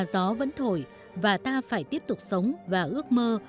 gió vẫn thổi và ta phải tiếp tục sống và ước mơ